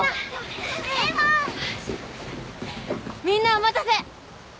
みんなお待たせ！